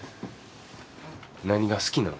何が好きなん？